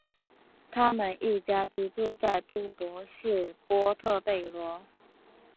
他们一家居住在都柏林市波特贝罗。